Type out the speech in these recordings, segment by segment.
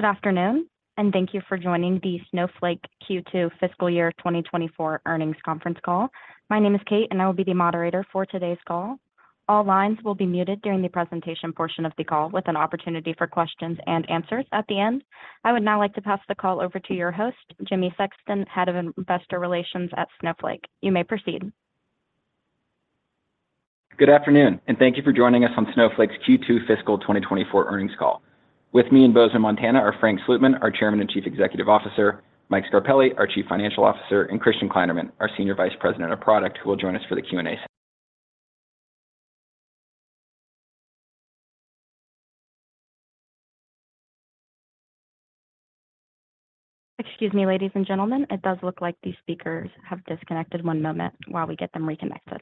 Good afternoon. Thank you for joining the Snowflake Q2 Fiscal year 2024 Earnings Conference Call. My name is Kate. I will be the moderator for today's call. All lines will be muted during the presentation portion of the call, with an opportunity for questions and answers at the end. I would now like to pass the call over to your host, Jimmy Sexton, Head of Investor Relations at Snowflake. You may proceed. Good afternoon, thank you for joining us on Snowflake's Q2 fiscal 2024 earnings call. With me in Bozeman, Montana, are Frank Slootman, our Chairman and Chief Executive Officer, Michael Scarpelli, our Chief Financial Officer, and Christian Kleinerman, our Senior Vice President of Product, who will join us for the Q&A. Excuse me, ladies and gentlemen. It does look like the speakers have disconnected. One moment while we get them reconnected.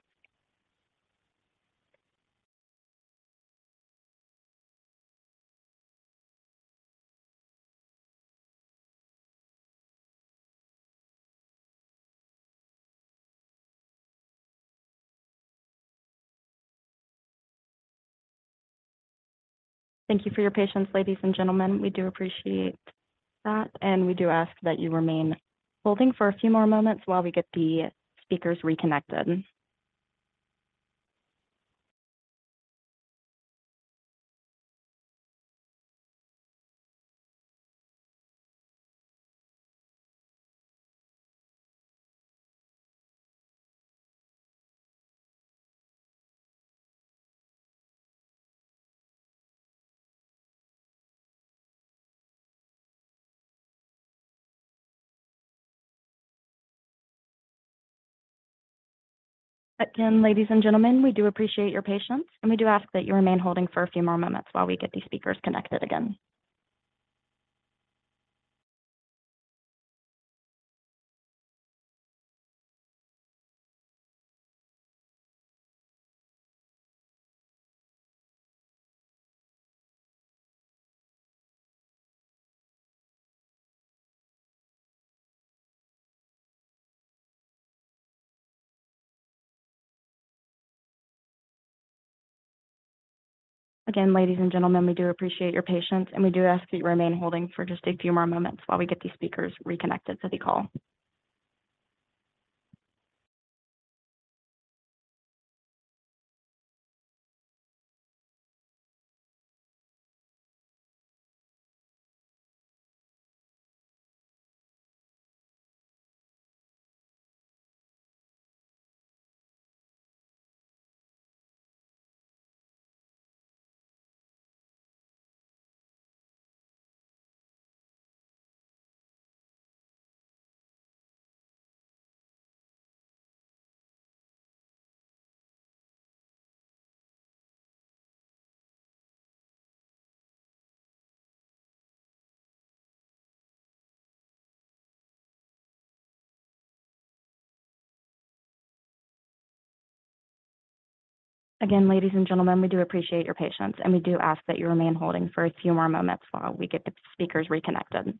Thank you for your patience, ladies and gentlemen. We do appreciate that, and we do ask that you remain holding for a few more moments while we get the speakers reconnected. Again, ladies and gentlemen, we do appreciate your patience, and we do ask that you remain holding for a few more moments while we get the speakers connected again. Again, ladies and gentlemen, we do appreciate your patience, and we do ask that you remain holding for just a few more moments while we get the speakers reconnected to the call. Again, ladies and gentlemen, we do appreciate your patience, and we do ask that you remain holding for a few more moments while we get the speakers reconnected.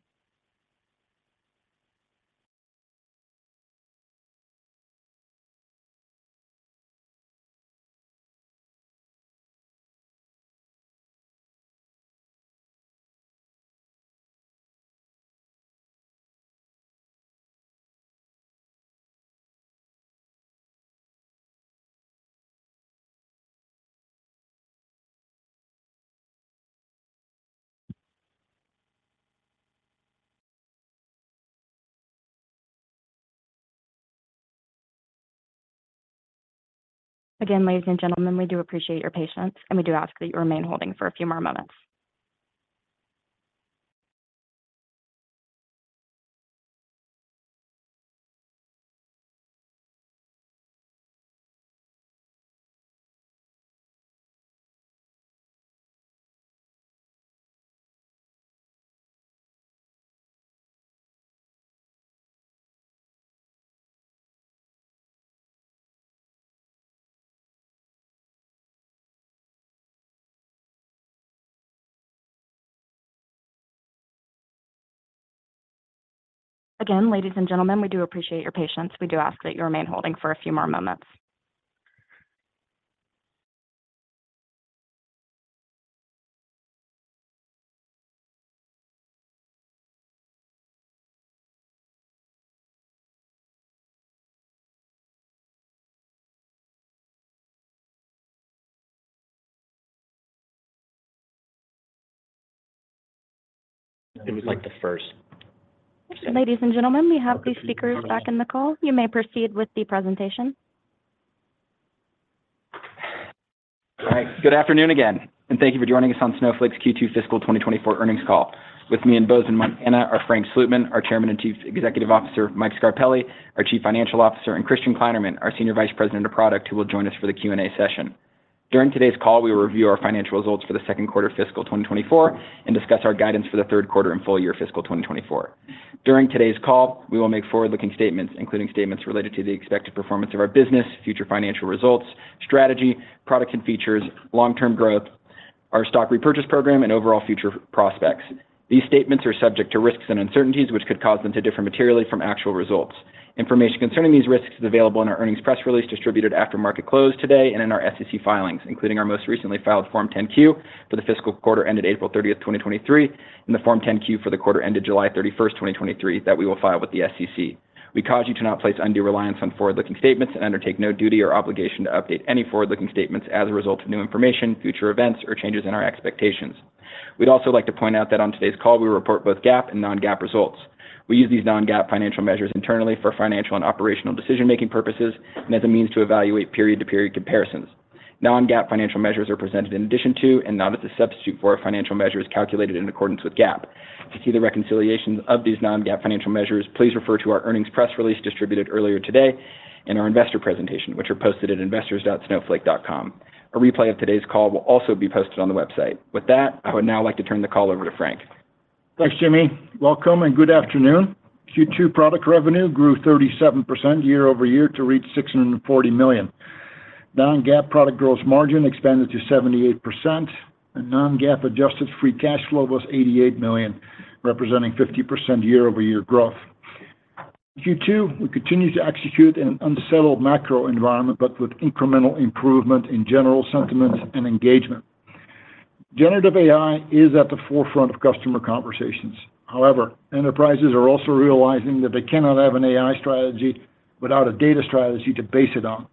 Again, ladies and gentlemen, we do appreciate your patience, and we do ask that you remain holding for a few more moments. It was like the first. Ladies and gentlemen, we have the speakers back in the call. You may proceed with the presentation. All right. Good afternoon again, and thank you for joining us on Snowflake's Q2 Fiscal 2024 Earnings Call. With me in Bozeman, Montana, are Frank Slootman, our Chairman and Chief Executive Officer, Michael Scarpelli, our Chief Financial Officer, and Christian Kleinerman, our Senior Vice President of Product, who will join us for the Q&A session. During today's call, we will review our financial results for the second quarter fiscal 2024 and discuss our guidance for the Q3 and full year fiscal 2024. During today's call, we will make forward-looking statements, including statements related to the expected performance of our business, future financial results, strategy, product and features, long-term growth, our stock repurchase program, and overall future prospects. These statements are subject to risks and uncertainties, which could cause them to differ materially from actual results. Information concerning these risks is available in our earnings press release, distributed after market close today, and in our SEC filings, including our most recently filed Form 10-Q for the fiscal quarter ended April 30, 2023, and the Form 10-Q for the quarter ended July 31, 2023, that we will file with the SEC. We cause you to not place undue reliance on forward-looking statements and undertake no duty or obligation to update any forward-looking statements as a result of new information, future events, or changes in our expectations. We'd also like to point out that on today's call, we report both GAAP and non-GAAP results. We use these non-GAAP financial measures internally for financial and operational decision-making purposes and as a means to evaluate period-to-period comparisons. Non-GAAP financial measures are presented in addition to, and not at the substitute for, our financial measures calculated in accordance with GAAP. To see the reconciliations of these non-GAAP financial measures, please refer to our earnings press release distributed earlier today and our investor presentation, which are posted at investors.snowflake.com. A replay of today's call will also be posted on the website. With that, I would now like to turn the call over to Frank. Thanks, Jimmy. Welcome. Good afternoon. Q2 product revenue grew 37% year-over-year to reach $640 million. Non-GAAP product gross margin expanded to 78%. Non-GAAP adjusted free cash flow was $88 million, representing 50% year-over-year growth. Q2, we continued to execute in an unsettled macro environment with incremental improvement in general sentiment and engagement. Generative AI is at the forefront of customer conversations. However, enterprises are also realizing that they cannot have an AI strategy without a data strategy to base it on.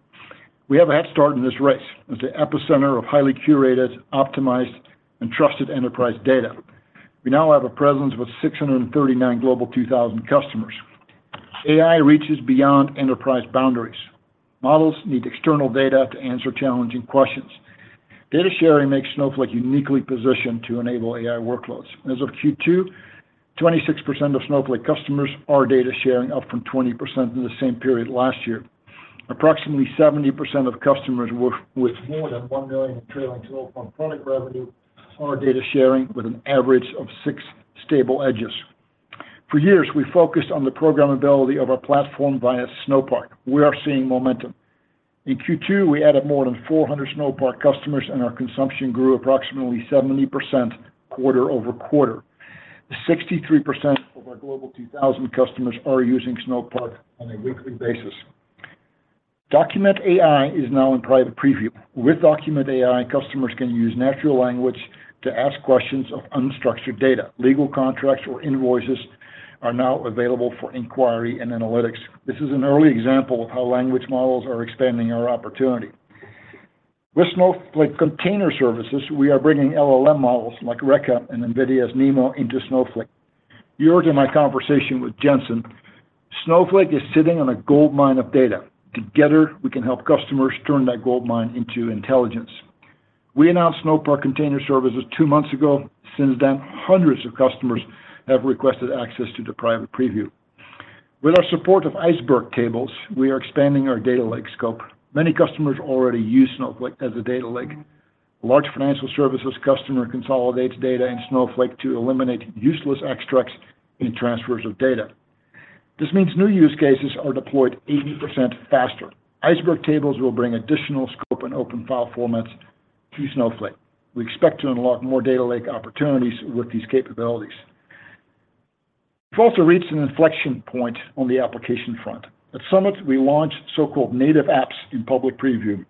We have a head start in this race, as the epicenter of highly curated, optimized, and trusted enterprise data. We now have a presence with 639 Global 2000 customers. AI reaches beyond enterprise boundaries. Models need external data to answer challenging questions. Data sharing makes Snowflake uniquely positioned to enable AI workloads. As of Q2, 26% of Snowflake customers are data sharing, up from 20% in the same period last year. Approximately 70% of customers with more than $1 million in trailing twelve-month product revenue are data sharing with an average of six stable edges. For years, we focused on the programmability of our platform via Snowpark. We are seeing momentum. In Q2, we added more than 400 Snowpark customers, and our consumption grew approximately 70% quarter-over-quarter. 63% of our Global 2000 customers are using Snowpark on a weekly basis. Document AI is now in private preview. With Document AI, customers can use natural language to ask questions of unstructured data. Legal contracts or invoices are now available for inquiry and analytics. This is an early example of how language models are expanding our opportunity. With Snowflake Container Services, we are bringing LLM models like Reka and NVIDIA's NeMo into Snowflake. You heard in my conversation with Jensen, Snowflake is sitting on a goldmine of data. Together, we can help customers turn that goldmine into intelligence. We announced Snowflake Container Services two months ago. Since then, hundreds of customers have requested access to the private preview. With our support of Iceberg tables, we are expanding our data lake scope. Many customers already use Snowflake as a data lake. Large Financial Services Customer consolidates data in Snowflake to eliminate useless extracts in transfers of data. This means new use cases are deployed 80% faster. Iceberg tables will bring additional scope and open file formats to Snowflake. We expect to unlock more data lake opportunities with these capabilities. We've also reached an inflection point on the application front. At Snowflake Summit, we launched so-called Native Apps in public preview.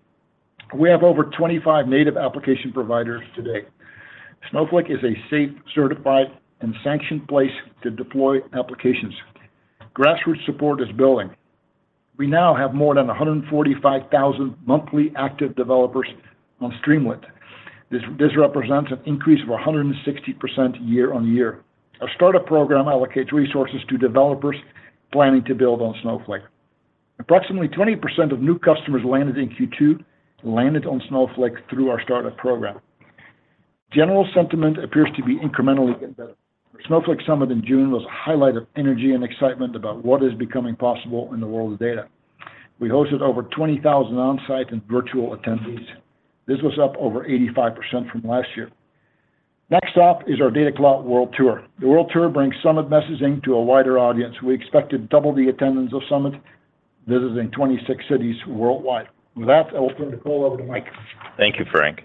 We have over 25 native application providers today. Snowflake is a safe, certified, and sanctioned place to deploy applications. Grassroots support is building. We now have more than 145,000 monthly active developers on Streamlit. This, this represents an increase of 160% year-over-year. Our startup program allocates resources to developers planning to build on Snowflake. Approximately 20% of new customers landed in Q2, landed on Snowflake through our startup program. General sentiment appears to be incrementally getting better. Snowflake Summit in June was a highlight of energy and excitement about what is becoming possible in the world of data. We hosted over 20,000 on-site and virtual attendees. This was up over 85% from last year. Next stop is our Data Cloud World Tour. The World Tour brings Summit messaging to a wider audience. We expect to double the attendance of Summit, visiting 26 cities worldwide. With that, I will turn the call over to Mike. Thank you, Frank.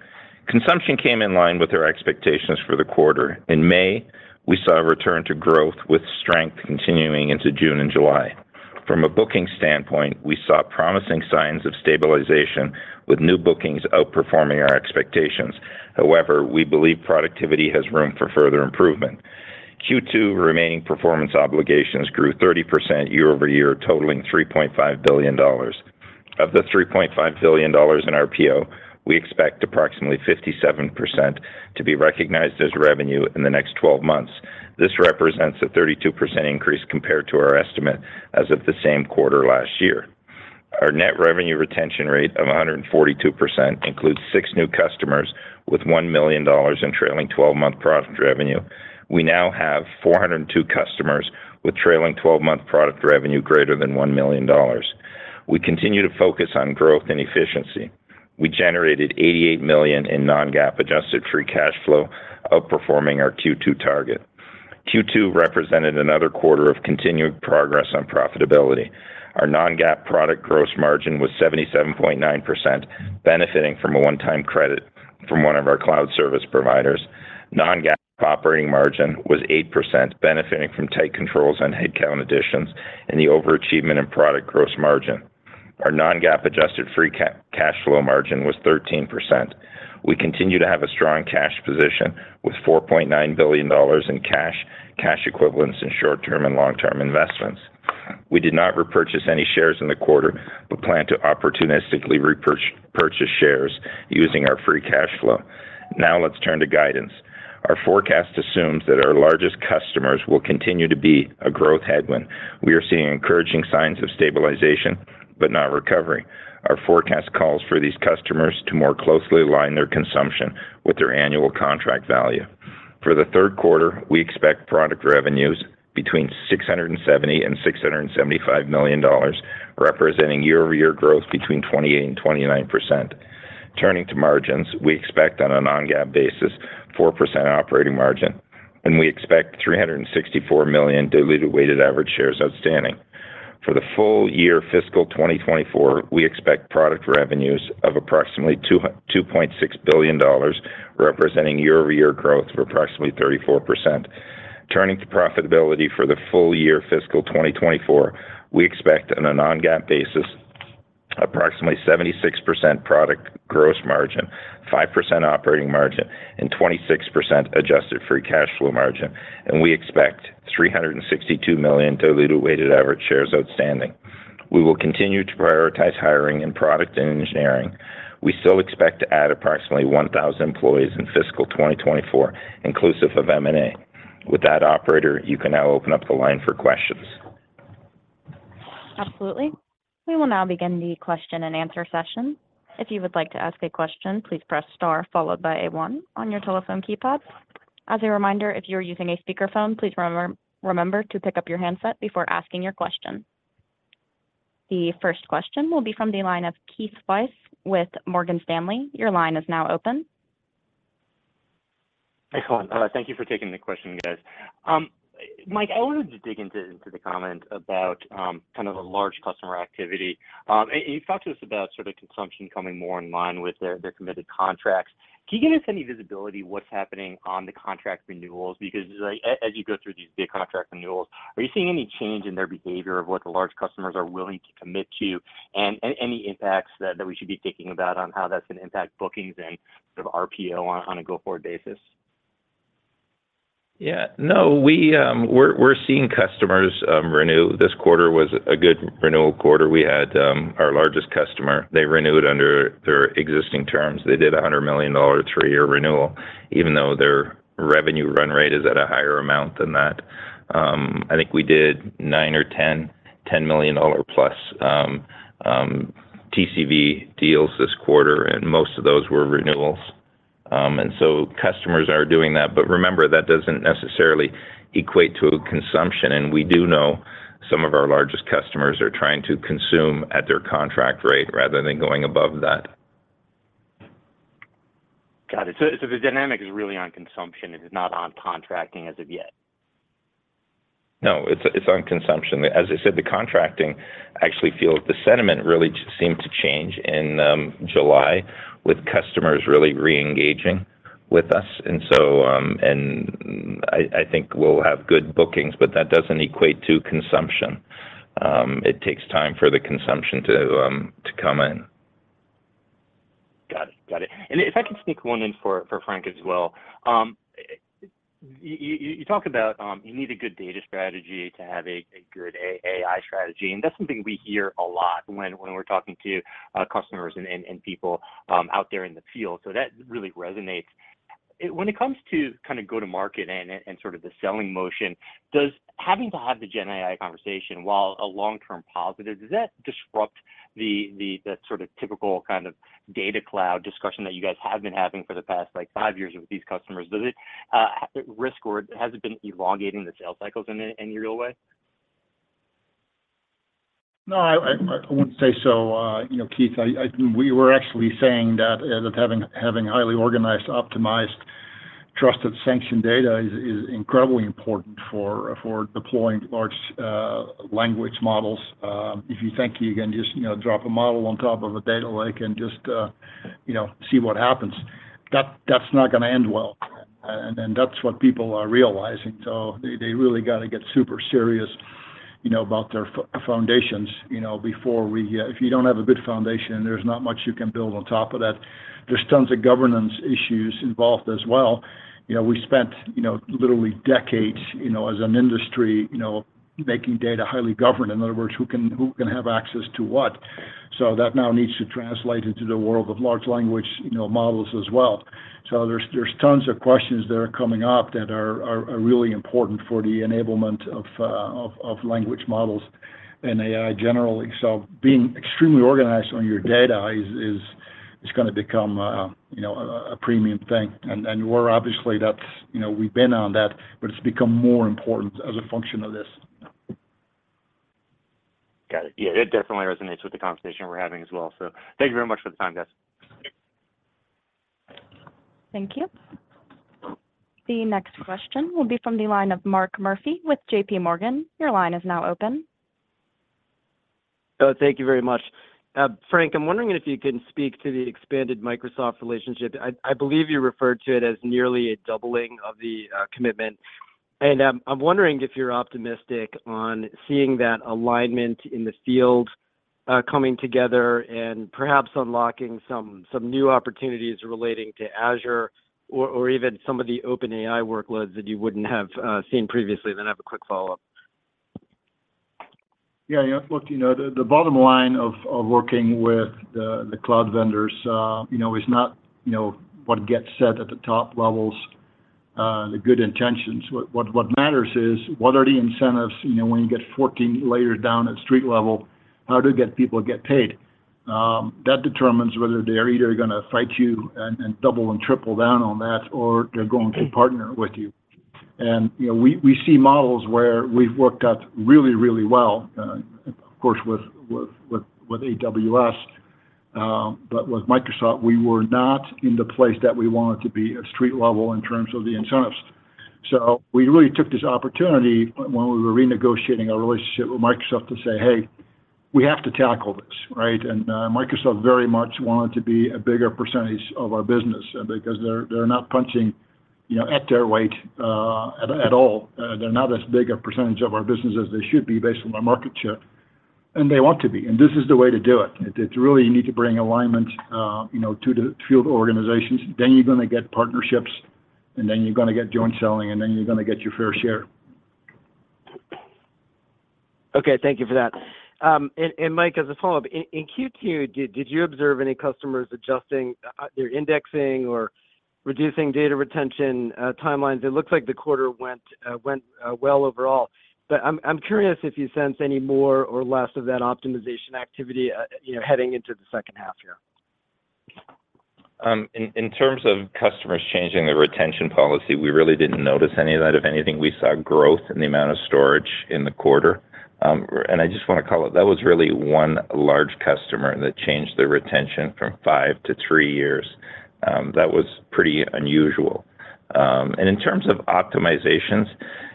Consumption came in line with our expectations for the quarter. In May, we saw a return to growth, with strength continuing into June and July. From a booking standpoint, we saw promising signs of stabilization, with new bookings outperforming our expectations. However, we believe productivity has room for further improvement. Q2 remaining performance obligations grew 30% year-over-year, totaling $3.5 billion. Of the $3.5 billion in RPO, we expect approximately 57% to be recognized as revenue in the next 12 months. This represents a 32% increase compared to our estimate as of the same quarter last year. Our net revenue retention rate of 142% includes six new customers with $1 million in trailing twelve-month product revenue. We now have 402 customers with trailing twelve-month product revenue greater than $1 million. We continue to focus on growth and efficiency. We generated $88 million in non-GAAP adjusted free cash flow, outperforming our Q2 target. Q2 represented another quarter of continued progress on profitability. Our non-GAAP product gross margin was 77.9%, benefiting from a one-time credit, from one of our cloud service providers. Non-GAAP operating margin was 8%, benefiting from tight controls on headcount additions and the overachievement in product gross margin. Our non-GAAP adjusted free cash flow margin was 13%. We continue to have a strong cash position with $4.9 billion in cash, cash equivalents in short-term and long-term investments. We did not repurchase any shares in the quarter, but plan to opportunistically purchase shares using our free cash flow. Now, let's turn to guidance. Our forecast assumes that our largest customers will continue to be a growth headwind. We are seeing encouraging signs of stabilization, but not recovery. Our forecast calls for these customers to more closely align their consumption with their annual contract value. For the Q3, we expect product revenues between $670 million and $675 million, representing year-over-year growth between 28% and 29%. Turning to margins, we expect on a non-GAAP basis, 4% operating margin, and we expect 364 million diluted weighted average shares outstanding. For the full year fiscal 2024, we expect product revenues of approximately $2.6 billion, representing year-over-year growth of approximately 34%. Turning to profitability for the full year fiscal 2024, we expect on a non-GAAP basis, approximately 76% product gross margin, 5% operating margin, 26% adjusted free cash flow margin. We expect 362 million diluted weighted average shares outstanding. We will continue to prioritize hiring in product and engineering. We still expect to add approximately 1,000 employees in fiscal 2024, inclusive of M&A. With that, operator, you can now open up the line for questions. Absolutely. We will now begin the question and answer session. If you would like to ask a question, please press star followed by a one on your telephone keypad. As a reminder, if you're using a speakerphone, please remember, remember to pick up your handset before asking your question. The first question will be from the line of Keith Weiss with Morgan Stanley. Your line is now open. Hey, everyone. Thank you for taking the question, guys. Mike, I wanted to dig into, into the comment about, kind of a large customer activity. And you talked to us about sort of consumption coming more in line with their, their committed contracts. Can you give us any visibility what's happening on the contract renewals? Like, as you go through these big contract renewals, are you seeing any change in their behavior of what the large customers are willing to commit to, and, and any impacts that, that we should be thinking about on how that's going to impact bookings and sort of RPO on, on a go-forward basis? Yeah. No, we, we're seeing customers renew. This quarter was a good renewal quarter. We had our largest customer, they renewed under their existing terms. They did a $100 million 3-year renewal, even though their revenue run rate is at a higher amount than that. I think we did 9 or 10, $10 million plus TCV deals this quarter, and most of those were renewals. So customers are doing that. Remember, that doesn't necessarily equate to a consumption, and we do know some of our largest customers are trying to consume at their contract rate rather than going above that. Got it. So the dynamic is really on consumption, it is not on contracting as of yet? No, it's, it's on consumption. As I said, the contracting actually feels the sentiment really seemed to change in July, with customers really reengaging with us. I, I think we'll have good bookings, but that doesn't equate to consumption. It takes time for the consumption to come in. Got it. Got it. If I can sneak one in for Frank as well. You talk about you need a good data strategy to have a good AI strategy, and that's something we hear a lot when we're talking to customers and people out there in the field, so that really resonates. When it comes to kind of go to market and sort of the selling motion, does having to have the GenAI conversation, while a long-term positive, does that disrupt the sort of typical kind of data cloud discussion that you guys have been having for the past, like, five years with these customers? Does it risk or has it been elongating the sales cycles in a real way? No, I wouldn't say so. You know, Keith, we were actually saying that having highly organized, optimized, trusted, sanctioned data is incredibly important for deploying large language models. If you think you can just, you know, drop a model on top of a data lake and just, you know, see what happens, that's not gonna end well. That's what people are realizing. They really got to get super serious, you know, about their foundations, you know, before we. If you don't have a good foundation, there's not much you can build on top of that. There's tons of governance issues involved as well. You know, we spent, you know, literally decades, you know, as an industry, you know, making data highly governed. In other words, who can have access to what? That now needs to translate into the world of large language, you know, models as well. There's, there's tons of questions that are coming up that are, are, are really important for the enablement of, of, of language models and AI generally. Being extremely organized on your data is, is, is gonna become, you know, a, a premium thing. We're obviously that's, you know, we've been on that, but it's become more important as a function of this. Got it. Yeah, it definitely resonates with the conversation we're having as well. Thank you very much for the time, guys. Thank you. The next question will be from the line of Mark Murphy with JPMorgan. Your line is now open. Oh, thank you very much. Frank, I'm wondering if you can speak to the expanded Microsoft relationship. I, I believe you referred to it as nearly a doubling of the commitment. I'm wondering if you're optimistic on seeing that alignment in the field coming together and perhaps unlocking some, some new opportunities relating to Azure or, or even some of the OpenAI workloads that you wouldn't have seen previously. I have a quick follow-up. Yeah, yeah. Look, you know, the, the bottom line of, of working with the, the cloud vendors, you know, is not, you know, what gets said at the top levels, the good intentions. What, what, what matters is, what are the incentives, you know, when you get 14 layers down at street level, how do you get people to get paid? That determines whether they're either gonna fight you and, and double and triple down on that, or they're going to partner with you. You know, we, we see models where we've worked out really, really well, of course, with, with, with, with AWS, but with Microsoft, we were not in the place that we wanted to be at street level in terms of the incentives. We really took this opportunity when we were renegotiating our relationship with Microsoft to say, "Hey, we have to tackle this," right. Microsoft very much wanted to be a bigger percentage of our business, because they're, they're not punching, you know, at their weight, at all. They're not as big a percentage of our business as they should be based on their market share, and they want to be, and this is the way to do it. It's really, you need to bring alignment, you know, to the field organizations. You're gonna get partnerships, and then you're gonna get joint selling, and then you're gonna get your fair share. Okay. Thank you for that. Mike, as a follow-up, in Q2, did you observe any customers adjusting their indexing or reducing data retention timelines? It looks like the quarter went well overall, but I'm curious if you sense any more or less of that optimization activity, you know, heading into the H2 year? In, in terms of customers changing their retention policy, we really didn't notice any of that. If anything, we saw growth in the amount of storage in the quarter. And I just want to call it, that was really one large customer that changed their retention from 5-3 years. That was pretty unusual. And in terms of optimizations,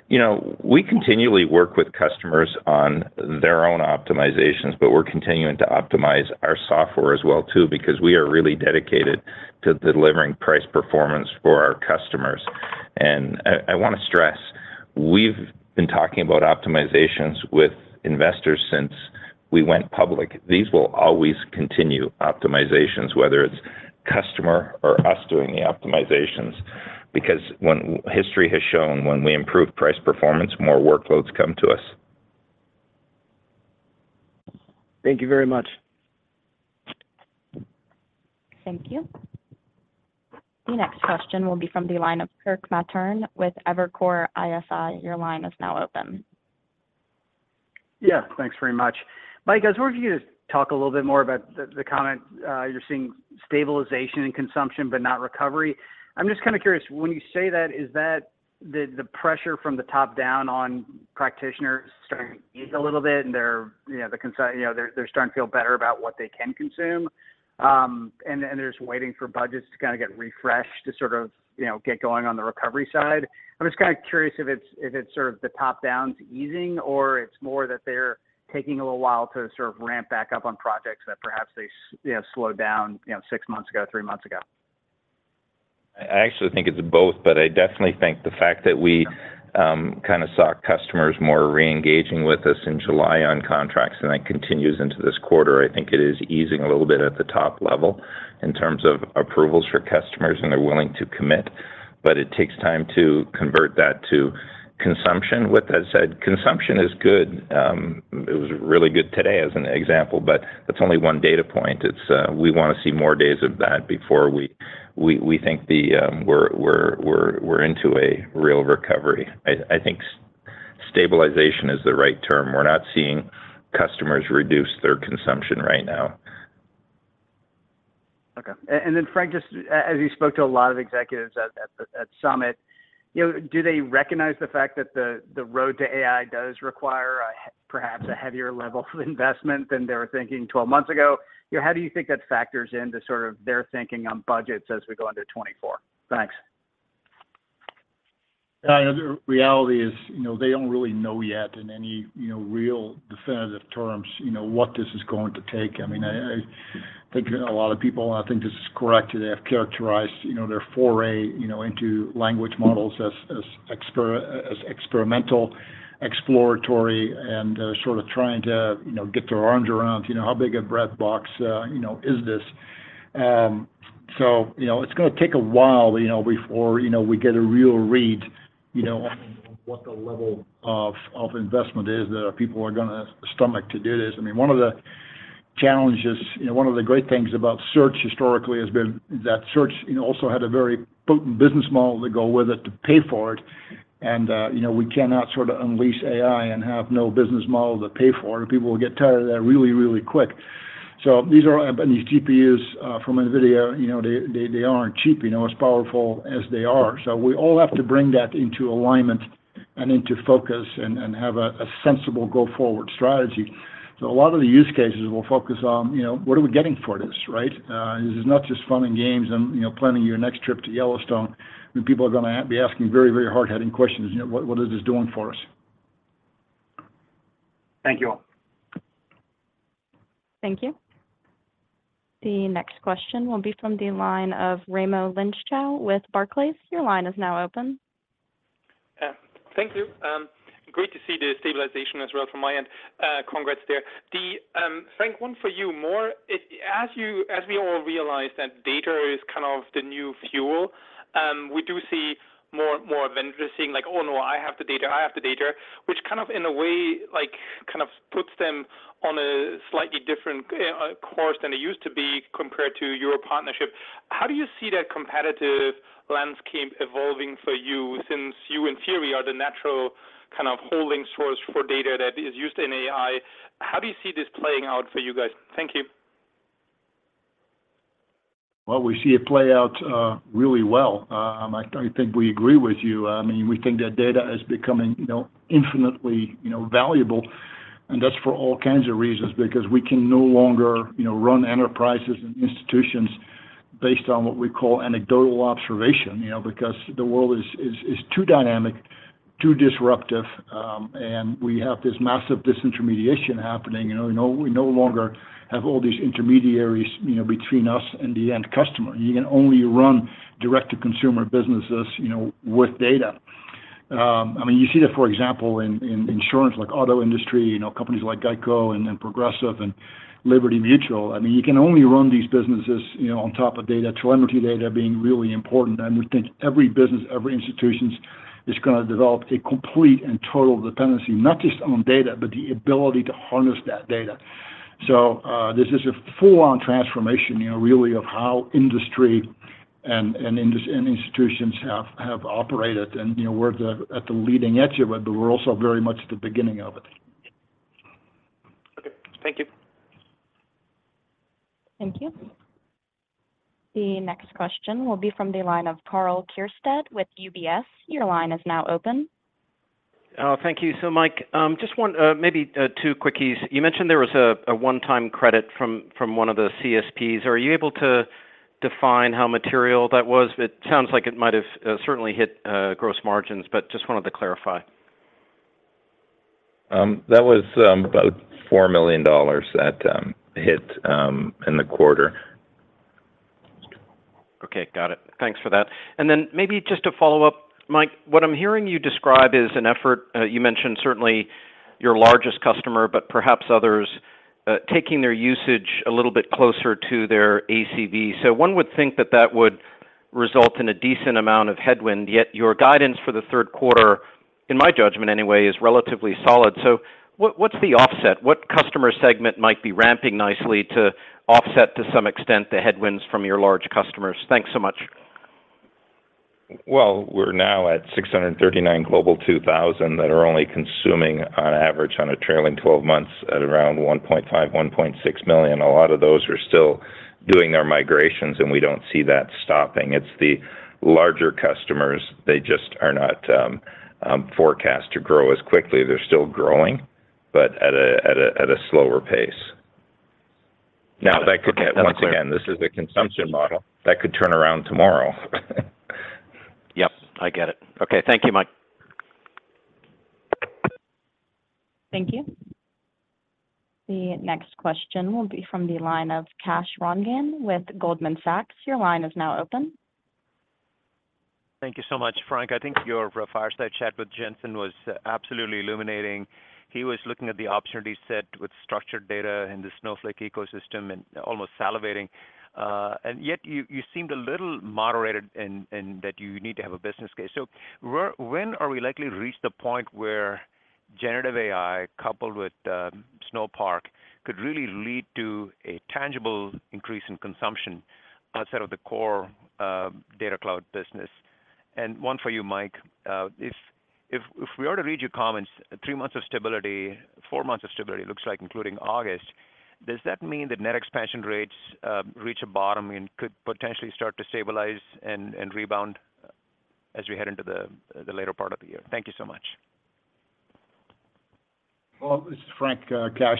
you know, we continually work with customers on their own optimizations, but we're continuing to optimize our software as well, too, because we are really dedicated to delivering price performance for our customers. And I, I want to stress, we've been talking about optimizations with investors since we went public. These will always continue, optimizations, whether it's customer or us doing the optimizations, because when-- history has shown when we improve price performance, more workloads come to us. Thank you very much. Thank you. The next question will be from the line of Kirk Materne with Evercore ISI. Your line is now open. Yeah, thanks very much. Mike, I was wondering if you could just talk a little bit more about the, the comment, you're seeing stabilization in consumption but not recovery. I'm just kind of curious, when you say that, is that the, the pressure from the top down on practitioners starting to ease a little bit, and they're, you know, they're starting to feel better about what they can consume, and they're just waiting for budgets to kind of get refreshed to sort of, you know, get going on the recovery side? I'm just kind of curious if it's sort of the top-down is easing, or it's more that they're taking a little while to sort of ramp back up on projects that perhaps they slowed down, you know, six months ago, three months ago? I, I actually think it's both. I definitely think the fact that we, kind of saw customers more reengaging with us in July on contracts, and that continues into this quarter, I think it is easing a little bit at the top level in terms of approvals for customers, and they're willing to commit, but it takes time to convert that to consumption. With that said, consumption is good. It was really good today as an example. That's only 1 data point. We want to see more days of that before we, we, we think the, we're, we're, we're, we're into a real recovery. I, I think stabilization is the right term. We're not seeing customers reduce their consumption right now. Okay. Then, Frank, just as you spoke to a lot of executives at Snowflake Summit, you know, do they recognize the fact that the road to AI does require perhaps a heavier level of investment than they were thinking 12 months ago? You know, how do you think that factors into sort of their thinking on budgets as we go into 2024? Thanks. Yeah, the reality is, you know, they don't really know yet in any, you know, real definitive terms, you know, what this is going to take. I mean, I, I think a lot of people, and I think this is correct, they have characterized, you know, their foray, you know, into language models as experimental, exploratory, and, sort of trying to, you know, get their arms around, you know, how big a breadbox, you know, is this? You know, it's gonna take a while, you know, before, you know, we get a real read, you know, on what the level of, of investment is that our people are gonna stomach to do this. I mean, one of the challenges, you know, one of the great things about Search historically has been that Search, you know, also had a very potent business model to go with it, to pay for it, and, you know, we cannot sort of unleash AI and have no business model to pay for it. People will get tired of that really, really quick. These GPUs, from NVIDIA, you know, they, they, they aren't cheap, you know, as powerful as they are. We all have to bring that into alignment and into focus and, and have a, a sensible go-forward strategy. A lot of the use cases will focus on, you know, what are we getting for this, right? This is not just fun and games and, you know, planning your next trip to Yellowstone. I mean, people are gonna be asking very, very hard-hitting questions, you know, "What is this doing for us? Thank you all. Thank you. The next question will be from the line of Raimo Lenschow with Barclays. Your line is now open. Thank you. Great to see the stabilization as well from my end. Congrats there. The, Frank, one for you more, as we all realize that data is kind of the new fuel, we do see more, more vendors saying like: "Oh, no, I have the data, I have the data." Which kind of, in a way, like, kind of puts them on a slightly different course than it used to be, compared to your partnership. How do you see that competitive landscape evolving for you, since you, in theory, are the natural kind of holding source for data that is used in AI? How do you see this playing out for you guys? Thank you. Well, we see it play out really well. I, I think we agree with you. I mean, we think that data is becoming, you know, infinitely, you know, valuable, and that's for all kinds of reasons. Because we can no longer, you know, run enterprises and institutions based on what we call anecdotal observation, you know. Because the world is, is, is too dynamic, too disruptive, and we have this massive disintermediation happening. You know, we no longer have all these intermediaries, you know, between us and the end customer. You can only run direct-to-consumer businesses, you know, with data. I mean, you see that, for example, in, in insurance, like auto industry, you know, companies like GEICO and Progressive and Liberty Mutual. I mean, you can only run these businesses, you know, on top of data, telemetry data being really important. We think every business, every institutions, is gonna develop a complete and total dependency, not just on data, but the ability to harness that data. This is a full-on transformation, you know, really, of how industry and, and institutions have, have operated. you know, we're at the leading edge of it, but we're also very much at the beginning of it. Okay. Thank you. Thank you. The next question will be from the line of Karl Keirstead with UBS. Your line is now open. Thank you. Mike, just one, maybe two quickies. You mentioned there was a one-time credit from one of the CSPs. Are you able to define how material that was? It sounds like it might have certainly hit gross margins, but just wanted to clarify. That was about $4 million that hit in the quarter. Okay, got it. Thanks for that. Maybe just to follow up, Mike, what I'm hearing you describe is an effort, you mentioned certainly your largest customer, but perhaps others, taking their usage a little bit closer to their ACV. One would think that that would result in a decent amount of headwind, yet your guidance for the Q3, in my judgment anyway, is relatively solid. What, what's the offset? What customer segment might be ramping nicely to offset, to some extent, the headwinds from your large customers? Thanks so much. Well, we're now at 639 Global 2000 that are only consuming on average, on a trailing 12 months, at around $1.5 million, $1.6 million. A lot of those are still doing their migrations, and we do not see that stopping. It's the larger customers, they just are not forecast to grow as quickly. They're still growing, but at a slower pace. Once again, this is a consumption model that could turn around tomorrow. Yep, I get it. Okay. Thank you, Mike. Thank you. The next question will be from the line of Kash Rangan with Goldman Sachs. Your line is now open. Thank you so much, Frank. I think your Fireside chat with Jensen was absolutely illuminating. He was looking at the opportunity set with structured data in the Snowflake ecosystem and almost salivating. And yet you, you seemed a little moderated in, in that you need to have a business case. So where, when are we likely to reach the point where Generative AI, coupled with Snowpark, could really lead to a tangible increase in consumption outside of the core Data Cloud business? And one for you, Mike. If, if, if we are to read your comments, 3 months of stability, 4 months of stability, it looks like, including August, does that mean that net expansion rates reach a bottom and could potentially start to stabilize and, and rebound as we head into the, the later part of the year? Thank you so much. Well, this is Frank, Kash.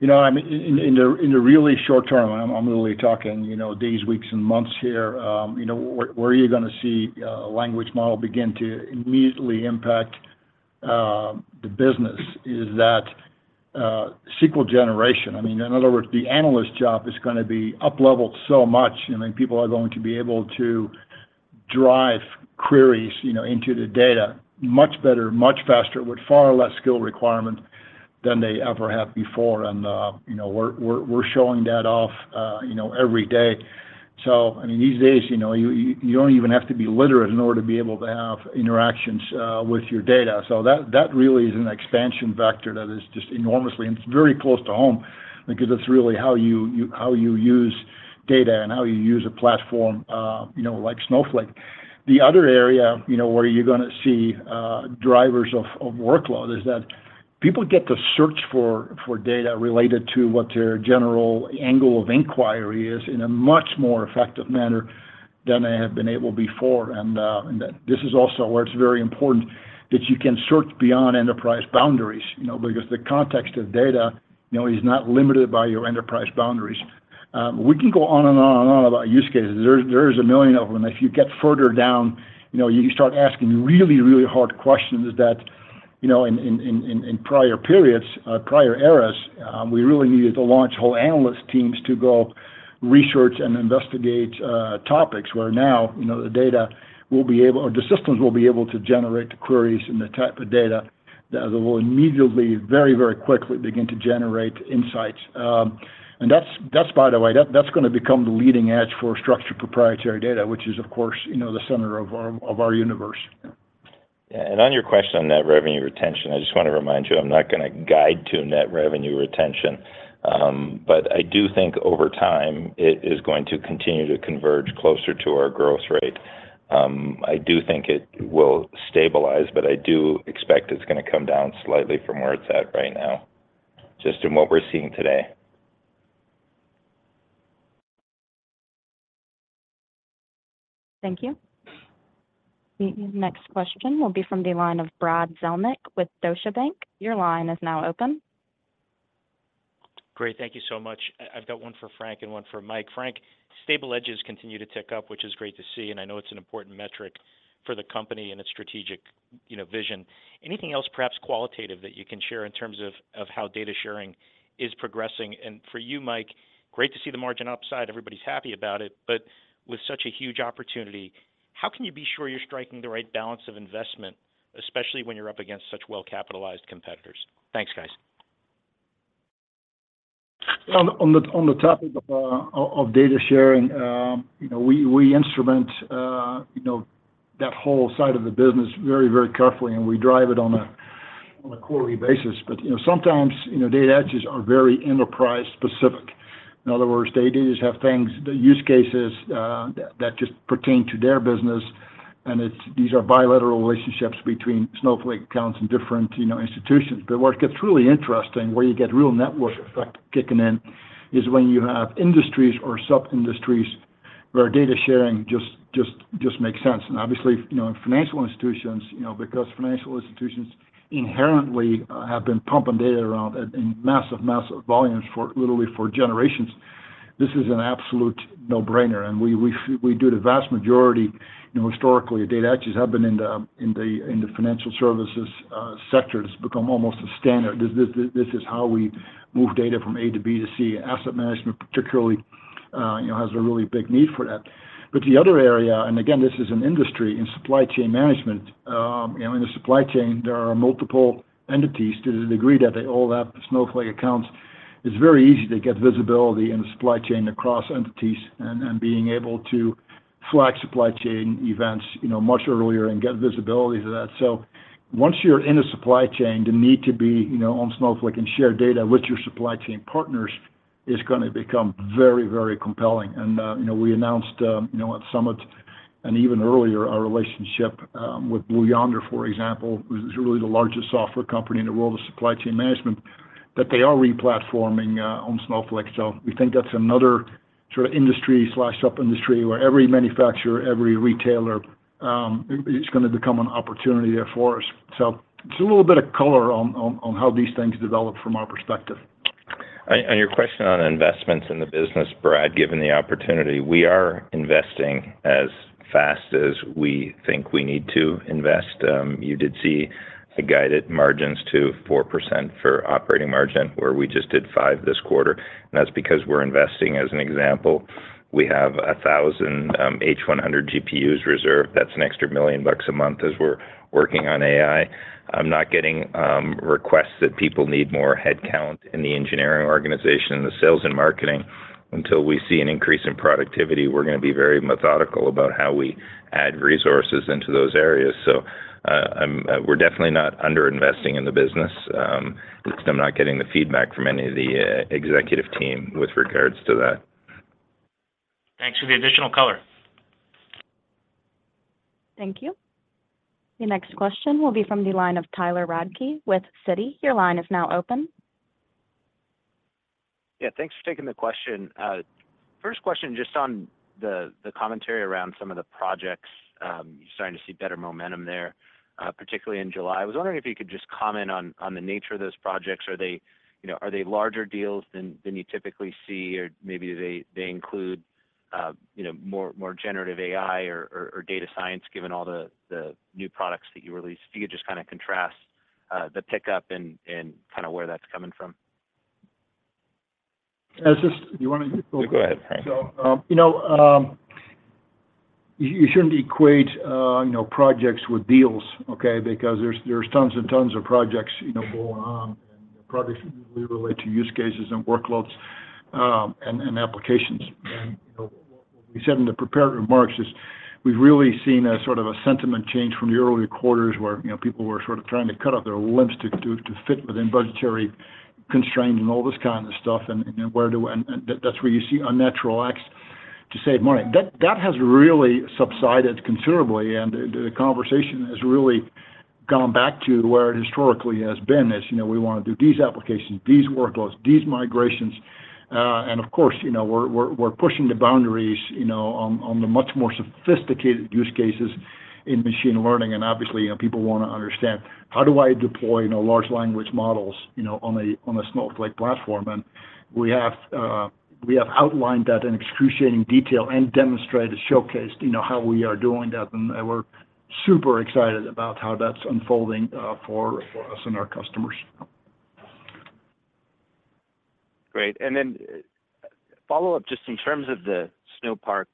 You know, I'm in, in the, in the really short term, I'm, I'm really talking, you know, days, weeks, and months here, you know, where, where you're gonna see a language model begin to immediately impact the business, is that SQL generation. I mean, in other words, the analyst job is gonna be uplevelled so much, and then people are going to be able to drive queries, you know, into the data much better, much faster, with far less skill requirement than they ever have before. You know, we're, we're, we're showing that off, you know, every day. So, I mean, these days, you know, you, you don't even have to be literate in order to be able to have interactions with your data. So that, that really is an expansion vector that is just enormously... It's very close to home because it's really how you use data and how you use a platform, you know, like Snowflake. The other area, you know, where you're gonna see drivers of workload is that people get to search for data related to what their general angle of inquiry is in a much more effective manner than they have been able before. This is also where it's very important that you can search beyond enterprise boundaries, you know, because the context of data, you know, is not limited by your enterprise boundaries. We can go on, and on, and on about use cases. There, there is a million of them. If you get further down, you know, you start asking really, really hard questions that, you know, in, in, in, in, in prior periods, prior eras, we really needed to launch whole analyst teams to go research and investigate topics, where now, you know, the data will be able-- or the systems will be able to generate the queries and the type of data that will immediately very, very quickly begin to generate insights. That's, that's, by the way, that, that's gonna become the leading edge for structured proprietary data, which is, of course, you know, the center of our, of our universe. Yeah. On your question on net revenue retention, I just want to remind you, I'm not gonna guide to net revenue retention. I do think over time, it is going to continue to converge closer to our growth rate. I do think it will stabilize, I do expect it's gonna come down slightly from where it's at right now, just in what we're seeing today. Thank you. The next question will be from the line of Brad Zelnick with Deutsche Bank. Your line is now open. Great. Thank you so much. I've got one for Frank and one for Mike. Frank, stable edge continue to tick up, which is great to see, and I know it's an important metric for the company and its strategic, you know, vision. Anything else, perhaps qualitative, that you can share in terms of, of how data sharing is progressing? For you, Mike, great to see the margin upside. Everybody's happy about it. With such a huge opportunity, how can you be sure you're striking the right balance of investment, especially when you're up against such well-capitalized competitors? Thanks, guys. On the, on the, on the topic of, of, of data sharing, you know, we, we instrument, you know, that whole side of the business very, very carefully, and we drive it on a, on a quarterly basis. You know, sometimes, you know, data edges are very enterprise-specific. In other words, they do just have things, the use cases, that just pertain to their business, and it's, these are bilateral relationships between Snowflake accounts and different, you know, institutions. Where it gets really interesting, where you get real network effect kicking in, is when you have industries or sub-industries where data sharing just, just, just makes sense. Obviously, you know, in financial institutions, you know, because financial institutions inherently have been pumping data around at, in massive, massive volumes for literally for generations, this is an absolute no-brainer. We, we, we do the vast majority. You know, historically, data edges have been in the, in the, in the financial services sector. It's become almost a standard. This, this, this is how we move data from A to B to C. Asset management, particularly, you know, has a really big need for that. The other area, and again, this is an industry in supply chain management, you know, in the supply chain, there are multiple entities to the degree that they all have Snowflake accounts. It's very easy to get visibility in the supply chain across entities, and, and being able to flag supply chain events, you know, much earlier and get visibility to that. Once you're in a supply chain, the need to be, you know, on Snowflake and share data with your supply chain partners is gonna become very, very compelling. You know, we announced, you know, at Snowflake Summit, and even earlier, our relationship, with Blue Yonder, for example, was really the largest software company in the world of supply chain management, that they are re-platforming, on Snowflake. We think that's another sort of industry/sub-industry, where every manufacturer, every retailer, it's gonna become an opportunity there for us. Just a little bit of color on, on, on how these things develop from our perspective. On, on your question on investments in the business, Brad, given the opportunity, we are investing as fast as we think we need to invest. You did see the guided margins to 4% for operating margin, where we just did five this quarter, and that's because we're investing. As an example, we have 1,000 H100 GPUs reserved. That's an extra $1 million a month as we're working on AI. I'm not getting requests that people need more headcount in the engineering organization and the sales and marketing. Until we see an increase in productivity, we're gonna be very methodical about how we add resources into those areas. We're definitely not under-investing in the business. I'm not getting the feedback from any of the executive team with regards to that. Thanks for the additional color. Thank you. The next question will be from the line of Tyler Radke, with Citi. Your line is now open. Yeah, thanks for taking the question. First question, just on the, the commentary around some of the projects. You're starting to see better momentum there, particularly in July. I was wondering if you could just comment on, on the nature of those projects. Are they, you know, are they larger deals than, than you typically see, or maybe they, they include, you know, more, more Generative AI or, or, or data science, given all the, the new products that you released? If you could just kinda contrast, the pickup and, and kinda where that's coming from? As this--. You want me to-. Go ahead, Frank. You know, you, you shouldn't equate, you know, projects with deals, okay? Because there's, there's tons and tons of projects, you know, going on, and projects really relate to use cases, and workloads, and, and applications. You know, we said in the prepared remarks, is we've really seen a sort of a sentiment change from the earlier quarters, where, you know, people were sort of trying to cut off their limbs to, to, to fit within budgetary constraints and all this kind of stuff, and, and where do we-- And, and that's where you see unnatural acts to save money. That, that has really subsided considerably, and the, the conversation has really gone back to where it historically has been. As you know, we wanna do these applications, these workloads, these migrations, and of course, you know, we're, we're, we're pushing the boundaries, you know, on, on the much more sophisticated use cases. In machine learning, and obviously, you know, people want to understand, how do I deploy, you know, large language models, you know, on a, on a Snowflake platform? We have outlined that in excruciating detail and demonstrated, showcased, you know, how we are doing that, and, and we're super excited about how that's unfolding for us and our customers. Great. Follow-up, just in terms of the Snowpark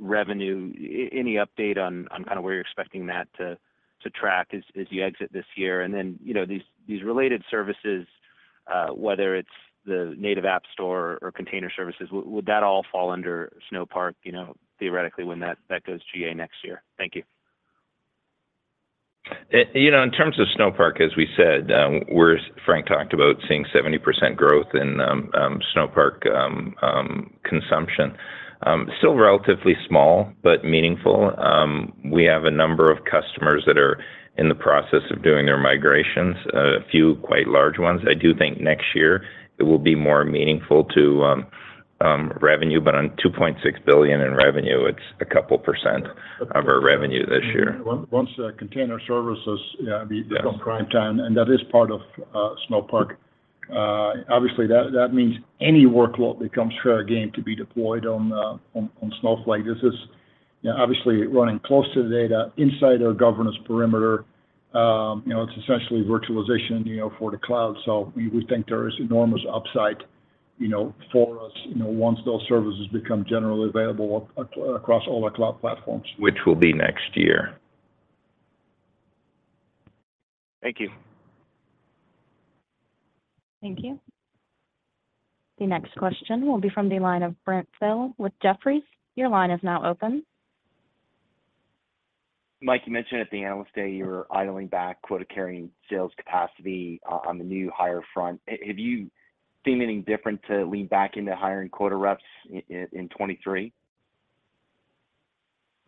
revenue, any update on, on kind of where you're expecting that to, to track as, as you exit this year? You know, these, these related services, whether it's the native app store or container services, would, would that all fall under Snowpark, you know, theoretically when that, that goes GA next year? Thank you. You know, in terms of Snowpark, as we said, Frank talked about seeing 70% growth in Snowpark consumption. Still relatively small, but meaningful. We have a number of customers that are in the process of doing their migrations, a few quite large ones. I do think next year it will be more meaningful to revenue, but on $2.6 billion in revenue, it's a couple percent of our revenue this year. Once the Container Services, yeah- Yes ...become prime time, and that is part of Snowpark, obviously, that, that means any workload that comes through our game can be deployed on, on Snowflake. This is obviously running close to the data inside our governance perimeter. You know, it's essentially virtualization, you know, for the cloud, so we, we think there is enormous upside, you know, for us, you know, once those services become generally available across all our cloud platforms. Which will be next year. Thank you. Thank you. The next question will be from the line of Brent Thill with Jefferies. Your line is now open. Mike, you mentioned at the analyst day you were dialing back quota-carrying sales capacity on the new hire front. Have you seen anything different to lean back into hiring quota reps in 2023?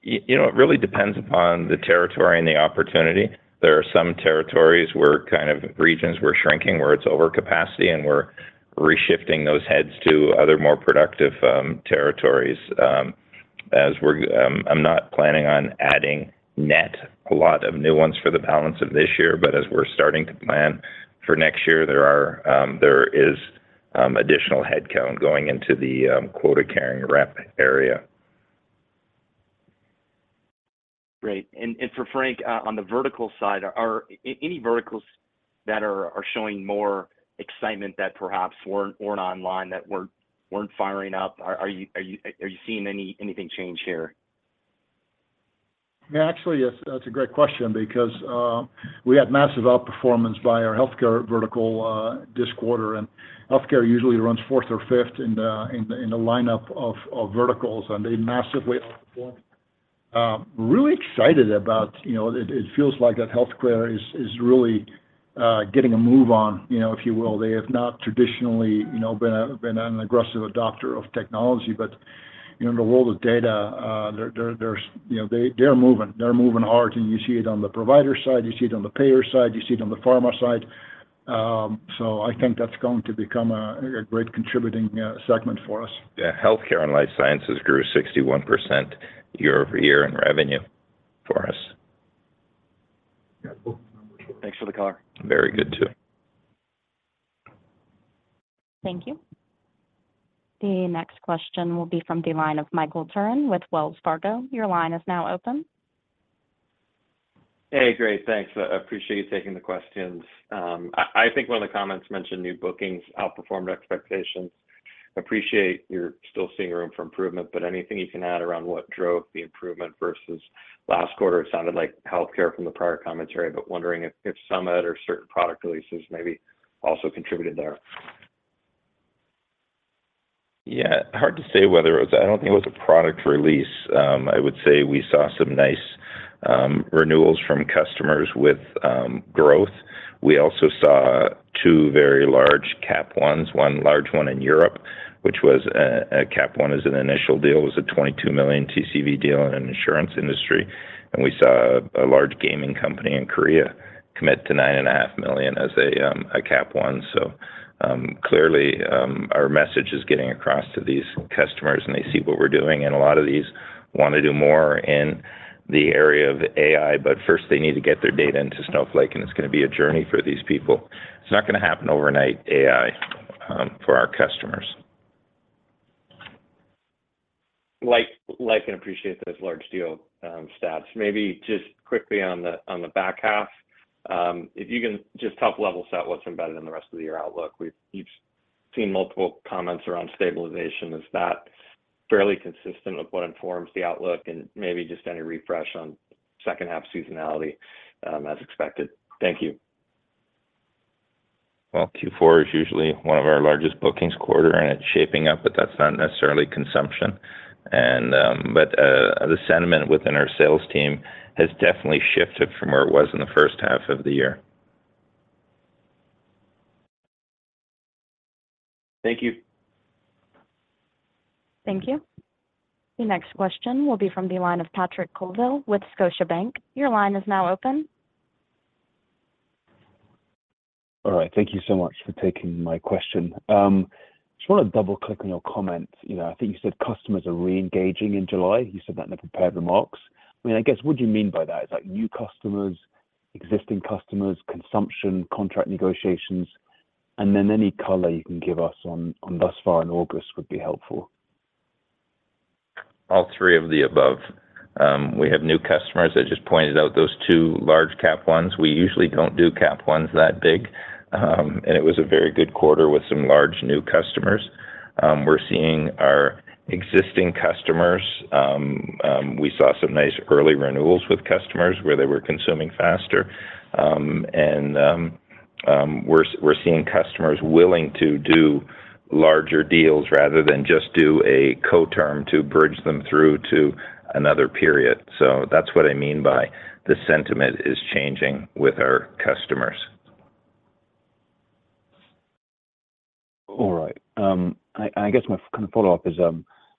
You know, it really depends upon the territory and the opportunity. There are some territories where kind of regions we're shrinking, where it's over capacity, and we're reshifting those heads to other, more productive territories. As we're, I'm not planning on adding net, a lot of new ones for the balance of this year, but as we're starting to plan for next year, there are, there is additional headcount going into the quota-carrying rep area. Great. For Frank, on the vertical side, are any verticals that are showing more excitement that perhaps weren't, weren't online, that weren't, weren't firing up? Are you seeing anything change here? Yeah, actually, yes, that's a great question because we had massive outperformance by our healthcare vertical this quarter. Healthcare usually runs fourth or fifth in the, in the, in the lineup of, of verticals. They massively outperformed. Really excited about, you know, it, it feels like that healthcare is, is really getting a move on, you know, if you will. They have not traditionally, you know, been a, been an aggressive adopter of technology, but, you know, in the world of data, they're, they're, you know, they, they're moving. They're moving hard. You see it on the provider side, you see it on the payer side, you see it on the pharma side. So I think that's going to become a, a great contributing segment for us. Yeah, healthcare and life sciences grew 61% year-over-year in revenue for us. Yeah, cool. Thanks for the color. Very good, too. Thank you. The next question will be from the line of Michael Turrin with Wells Fargo. Your line is now open. Hey, great, thanks. I appreciate you taking the questions. I, I think one of the comments mentioned new bookings outperformed expectations. Appreciate you're still seeing room for improvement, but anything you can add around what drove the improvement versus last quarter? It sounded like healthcare from the prior commentary, but wondering if, if some other certain product releases maybe also contributed there. Yeah. Hard to say whether it was... I don't think it was a product release. I would say we saw some nice renewals from customers with growth. We also saw two very large cap 1s. One large one in Europe, which was a cap one as an initial deal, it was a $22 million TCV deal in the insurance industry, and we saw a large gaming company in Korea commit to $9.5 million as a cap 1. Clearly, our message is getting across to these customers, and they see what we're doing, and a lot of these want to do more in the area of AI, but first they need to get their data into Snowflake, and it's gonna be a journey for these people. It's not gonna happen overnight, AI, for our customers. Like, like and appreciate those large deal stats. Maybe just quickly on the back half, if you can just help level set what's embedded in the rest of the year outlook. You've seen multiple comments around stabilization. Is that fairly consistent with what informs the outlook? Maybe just any refresh on H2 seasonality as expected. Thank you. Well, Q4 is usually one of our largest bookings quarter, and it's shaping up, but that's not necessarily consumption. The sentiment within our sales team has definitely shifted from where it was in the H1 of the year. Thank you. Thank you. The next question will be from the line of Patrick Colville with Scotiabank. Your line is now open. All right, thank you so much for taking my question. Just want to double-click on your comment. You know, I think you said customers are reengaging in July. You said that in the prepared remarks. I mean, I guess, what do you mean by that? Is that new customers, existing customers, consumption, contract negotiations? Any color you can give us on, on thus far in August would be helpful. All three of the above. We have new customers. I just pointed out those two large cap ones. We usually don't do cap ones that big, and it was a very good quarter with some large new customers. We're seeing our existing customers, we saw some nice early renewals with customers where they were consuming faster. And we're seeing customers willing to do larger deals rather than just do a co-term to bridge them through to another period. That's what I mean by the sentiment is changing with our customers. All right. I, I guess my kind of follow-up is, I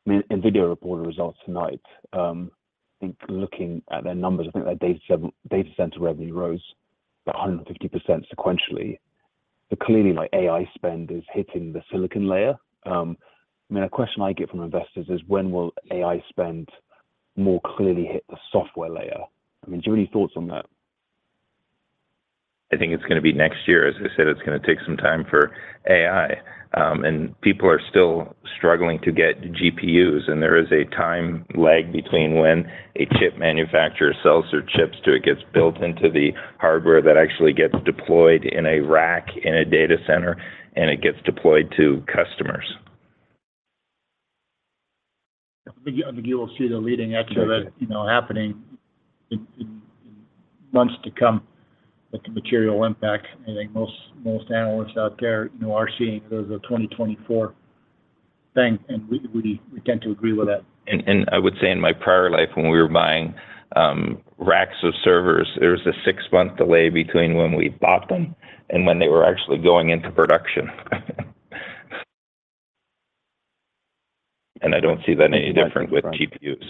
mean, NVIDIA reported results tonight. I think looking at their numbers, I think their data seven-- data center revenue rose by 150% sequentially. Clearly, my AI spend is hitting the Silicon Layer. I mean, a question I get from investors is: When will AI spend more clearly hit the software layer? I mean, do you have any thoughts on that? I think it's going to be next year. As I said, it's going to take some time for AI, and people are still struggling to get GPUs. There is a time lag between when a Chip Manufacturer sells their Chips, till it gets built into the hardware that actually gets deployed in a rack in a Data Center, and it gets deployed to customers. I think, I think you will see the leading edge of it, you know, happening in, in months to come, but the material impact, I think most, most analysts out there, you know, are seeing as a 2024 thing, and we, we, we tend to agree with that. I would say in my prior life, when we were buying, racks of servers, there was a 6-month delay between when we bought them and when they were actually going into production. I don't see that any different with GPUs.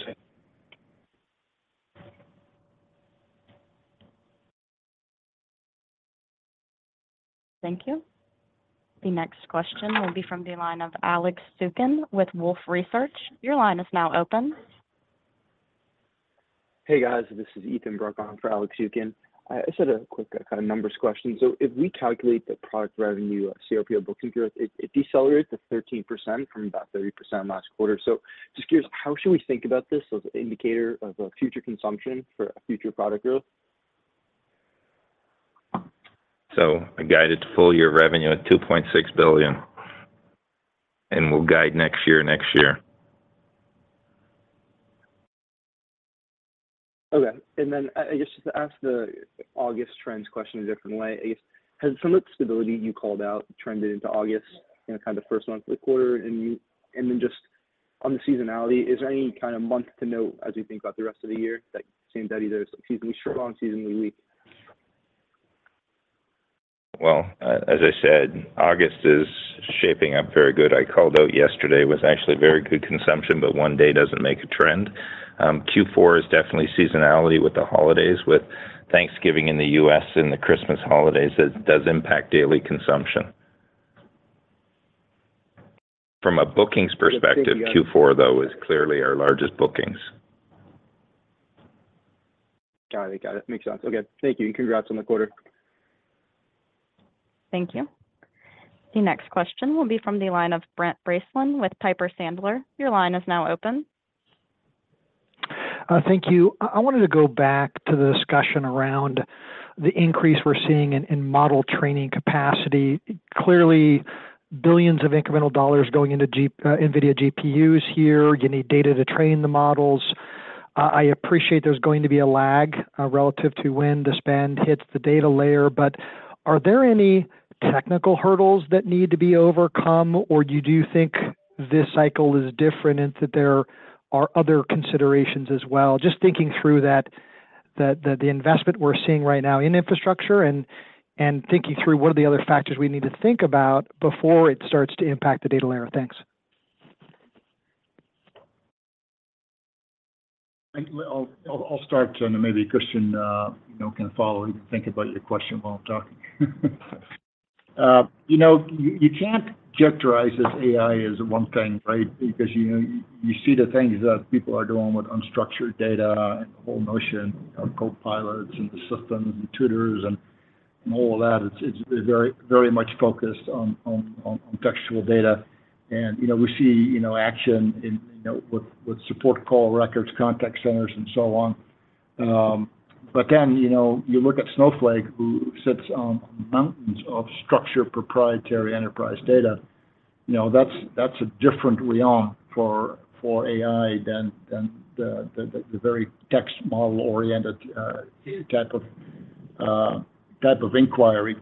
Thank you. The next question will be from the line of Alex Zukin with Wolfe Research. Your line is now open. Hey, guys, this is Ethan Bruck for Alex Zukin. I just had a quick kind of numbers question. If we calculate the product revenue of CRPO Booking growth, it, it decelerates to 13% from about 30% last quarter. Just curious, how should we think about this as an indicator of a future consumption for a future Product growth? I guided full year revenue at $2.6 billion, and we'll guide next year, next year. Okay. I, I just ask the August trends question a different way. I guess, has some of the stability you called out trended into August in the kind of first month of the quarter? Then just on the seasonality, is there any kind of month to note as you think about the rest of the year that seems that either seasonally short or seasonally weak? Well, as I said, August is shaping up very good. I called out yesterday was actually a very good consumption, but one day doesn't make a trend. Q4 is definitely seasonality with the holidays, with Thanksgiving in the US and the Christmas holidays, it does impact daily consumption. From a bookings perspective, Q4, though, is clearly our largest bookings. Got it. Got it. Makes sense. Okay, thank you, and congrats on the quarter. Thank you. The next question will be from the line of Brent Bracelin with Piper Sandler. Your line is now open. Thank you. I, I wanted to go back to the discussion around the increase we're seeing in, in model training capacity. Clearly, $billions of incremental dollars going into NVIDIA GPUs here, you need data to train the models. I appreciate there's going to be a lag, relative to when the spend hits the data layer, but are there any technical hurdles that need to be overcome, or do you think this cycle is different, and that there are other considerations as well? Just thinking through that, the, the investment we're seeing right now in infrastructure and, and thinking through what are the other factors we need to think about before it starts to impact the data layer. Thanks. I, I'll, I'll, I'll start, and then maybe Christian, you know, can follow and think about your question while I'm talking. You know, you, you can't characterize this AI as one thing, right? Because you, you see the things that people are doing with unstructured data and the whole notion of copilots and the systems and tutors and, and all that. It's, it's very, very much focused on, on, on contextual data. You know, we see, you know, action in, you know, with, with support call records, contact centers, and so on. Then, you know, you look at Snowflake, who sits on mountains of structured, proprietary enterprise data. You know, that's, that's a different realm for, for AI than, than the, the, the very text model-oriented, type of, type of inquiry.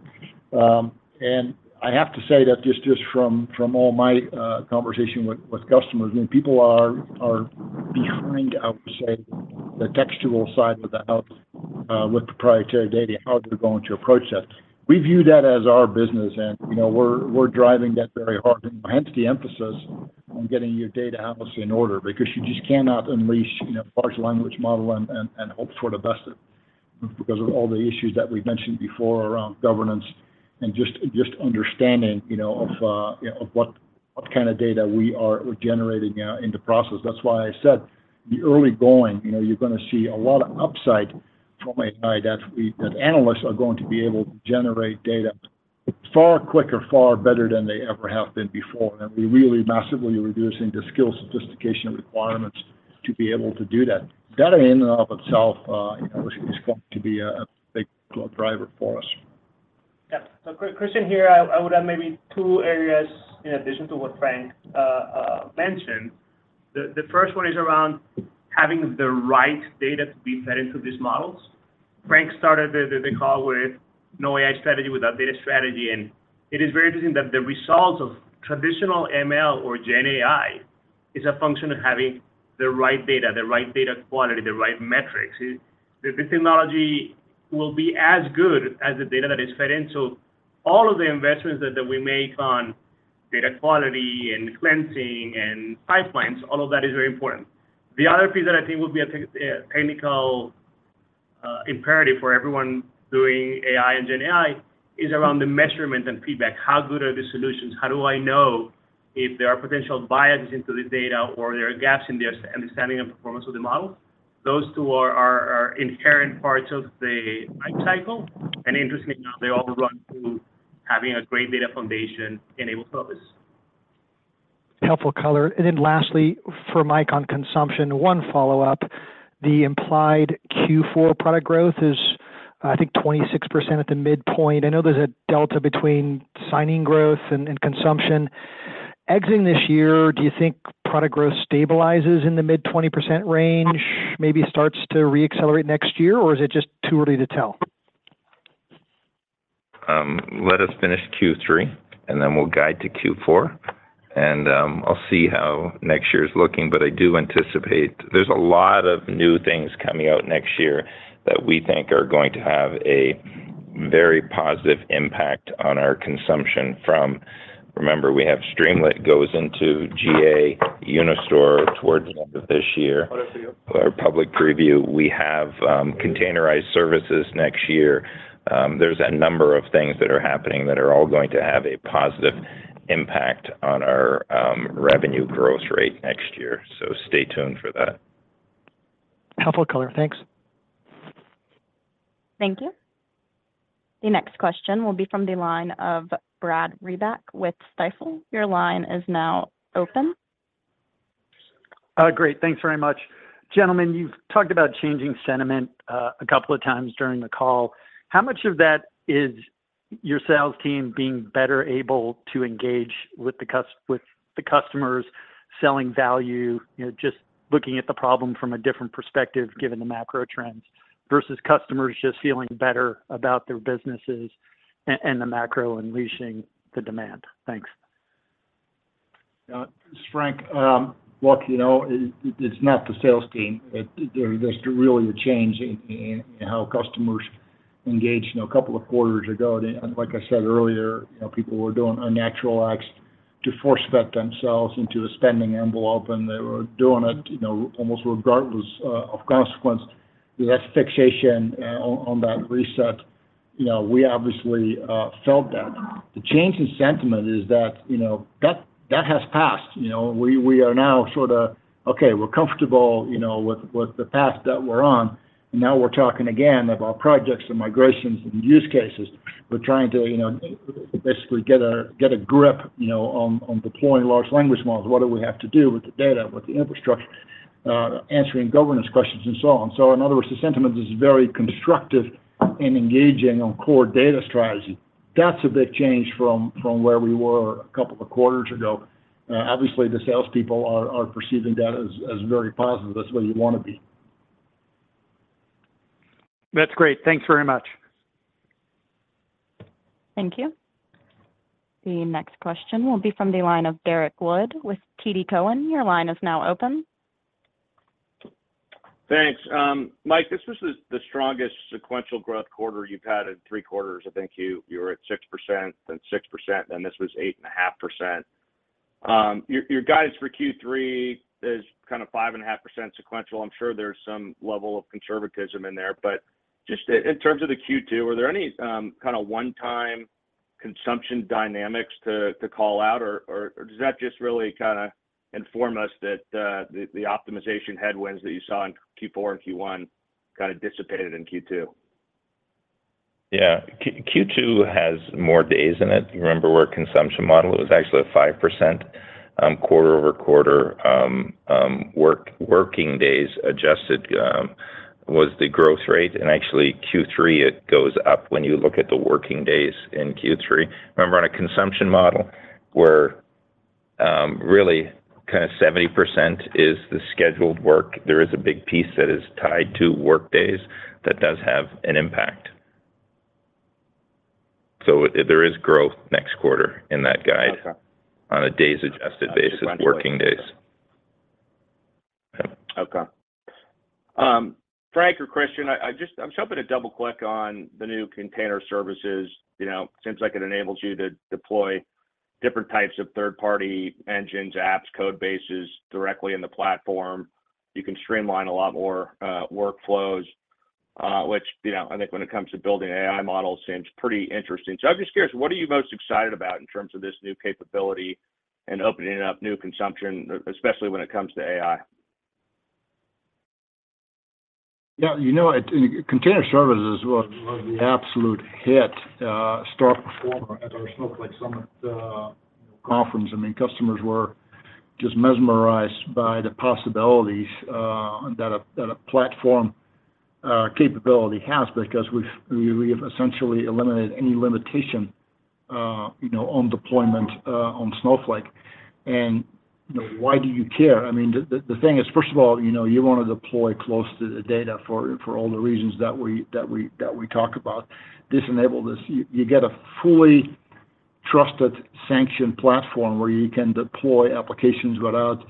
I have to say that just, just from, from all my conversation with, with customers, I mean, people are, are behind, I would say, the textual side of the house with proprietary data, how they're going to approach that. We view that as our business, and, you know, we're, we're driving that very hard, hence the emphasis on getting your data house in order, because you just cannot unleash, you know, large language model and, and, and hope for the best because of all the issues that we've mentioned before around governance and just, just understanding, you know, of what, what kind of data we are generating in the process. That's why I said the early going, you know, you're gonna see a lot of upside from AI that analysts are going to be able to generate data far quicker, far better than they ever have been before. We're really massively reducing the skill sophistication requirements to be able to do that. That in and of itself, you know, is going to be a big driver for us. Yeah. Christian here, I, I would add maybe two areas in addition to what Frank mentioned. The first one is around having the right data to be fed into these models. Frank started the call with no AI strategy without data strategy, and it is very interesting that the results of traditional ML or GenAI is a function of having the right data, the right data quality, the right metrics. The technology will be as good as the data that is fed in. All of the investments that we make on data quality, and cleansing, and pipelines, all of that is very important. The other piece that I think will be a technical imperative for everyone doing AI and GenAI is around the measurement and feedback. How good are the solutions? How do I know if there are potential biases into the data, or there are gaps in their understanding and performance of the model? Those two are inherent parts of the life cycle. Interestingly, now they all run through having a great data foundation enabled service. Helpful color. Lastly, for Mike, on consumption, one follow-up. The implied Q4 product growth is, I think, 26% at the midpoint. I know there's a delta between signing growth and consumption. Exiting this year, do you think product growth stabilizes in the mid-20% range, maybe starts to reaccelerate next year, or is it just too early to tell? Let us finish Q3, and then we'll guide to Q4. I'll see how next year is looking, but I do anticipate there's a lot of new things coming out next year that we think are going to have a very positive impact on our consumption from... Remember, we have Streamlit goes into GA Unistore towards the end of this year. Our public preview, we have containerized services next year. There's a number of things that are happening that are all going to have a positive impact on our revenue growth rate next year. Stay tuned for that. Helpful color. Thanks. Thank you. The next question will be from the line of Brad Reback with Stifel. Your line is now open. Great. Thanks very much. Gentlemen, you've talked about changing sentiment, a couple of times during the call. How much of that is your sales team being better able to engage with the customers, selling value, you know, just looking at the problem from a different perspective, given the macro trends, versus customers just feeling better about their businesses and the macro unleashing the demand? Thanks. Frank, look, you know, it, it's not the sales team. There, there's really a change in, in how customers engage. You know, a couple of quarters ago, like I said earlier, you know, people were doing unnatural acts to force fit themselves into a spending envelope, and they were doing it, you know, almost regardless of consequence. That fixation on, on that reset, you know, we obviously felt that. The change in sentiment is that, you know, that, that has passed. You know, we, we are now sort of, "Okay, we're comfortable, you know, with, with the path that we're on," and now we're talking again about projects, and migrations, and use cases. We're trying to, you know, basically get a, get a grip, you know, on, on deploying large language models. What do we have to do with the data, with the infrastructure? Answering governance questions and so on. In other words, the sentiment is very constructive and engaging on core data strategy. That's a big change from, from where we were a couple of quarters ago. Obviously, the salespeople are, are perceiving that as, as very positive. That's where you wanna be. That's great. Thanks very much. Thank you. The next question will be from the line of Derrick Wood with TD Cowen. Your line is now open. Thanks. Mike, this was the, the strongest sequential growth quarter you've had in three quarters. I think you, you were at 6%, then 6%, then this was 8.5%. Your, your guidance for Q3 is kind of 5.5% sequential. I'm sure there's some level of conservatism in there, but just in terms of the Q2, are there any, kind of one-time consumption dynamics to, to call out, or, or, or does that just really kinda inform us that, the, the optimization headwinds that you saw in Q4 and Q1 kinda dissipated in Q2? Yeah. Q, Q2 has more days in it. Remember, we're a consumption model. It was actually a 5% quarter-over-quarter working days adjusted was the growth rate. Actually, Q3, it goes up when you look at the working days in Q3. Remember, on a consumption model, where really kind of 70% is the scheduled work, there is a big piece that is tied to work days that does have an impact. There is growth next quarter in that guide- Okay. on a days adjusted basis, working days. Okay. Frank or Christian, I'm hoping to double-click on the new Container Services. You know, seems like it enables you to deploy different types of third-party engines, apps, code bases directly in the platform. You can streamline a lot more workflows, which, you know, I think when it comes to building AI models, seems pretty interesting. I'm just curious, what are you most excited about in terms of this new capability and opening up new consumption, especially when it comes to AI? Yeah, you know, it, container services was, was the absolute hit, star performer at our Snowflake Summit, conference. I mean, customers were just mesmerized by the possibilities, that a, that a platform, capability has, because we've, we, we've essentially eliminated any limitation, you know, on deployment, on Snowflake. You know, why do you care? I mean, the, the, the thing is, first of all, you know, you want to deploy close to the data for, for all the reasons that we, that we, that we talk about. This enables this. You, you get a fully trusted, sanctioned platform where you can deploy applications without